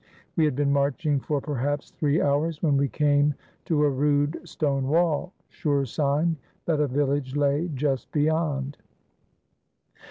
We had been marching for perhaps three hours, when we came to a rude stone wall, sure sign that a village lay just beyond.